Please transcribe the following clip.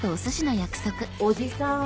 おじさん。